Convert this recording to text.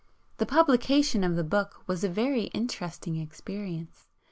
The publication of the book was a very interesting experience.